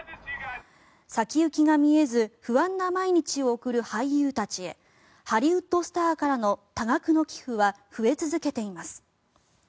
先行きが見えず不安な毎日を送る俳優たちへハリウッドスターからの多額の寄付は増え続けています。